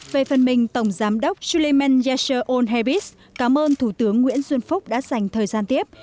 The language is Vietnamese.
về phần mình tổng giám đốc suleyman yashir olhabis cảm ơn thủ tướng nguyễn xuân phúc đã dành thời gian tiếp